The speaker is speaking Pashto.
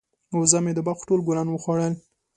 وزه مې د باغ ټول ګلان وخوړل.